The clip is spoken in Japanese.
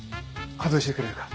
外してくれるか。